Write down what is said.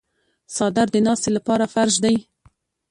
څادر د ناستې لپاره فرش دی.